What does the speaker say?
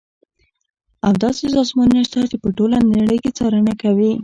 اوس داسې سازمانونه شته چې په ټوله نړۍ کې څارنه کوي.